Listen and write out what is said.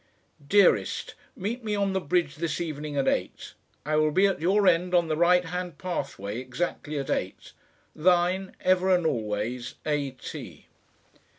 "Dearest, meet me on the bridge this evening at eight. I will be at your end on the right hand pathway exactly at eight. Thine, ever and always, A. T."